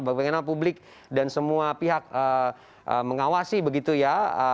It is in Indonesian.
bagi pengenalan publik dan semua pihak mengawasi begitu ya